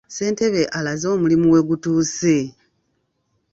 Ssentebe alaze omulimu we gutuuse.